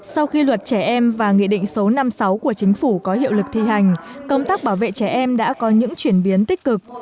sau khi luật trẻ em và nghị định số năm mươi sáu của chính phủ có hiệu lực thi hành công tác bảo vệ trẻ em đã có những chuyển biến tích cực